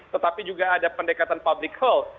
tetapi juga ada pendekatan public health